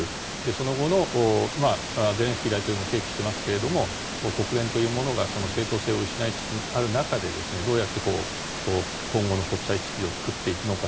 その後のゼレンスキー大統領も提起していますが国連というものが正当性を失いつつある中でどうやって今後の国際秩序を作っていくのか。